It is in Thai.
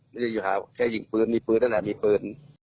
ไม่ได้อยู่ในบ้านแค่หยิงปืนมีปืนนะครับมีปืน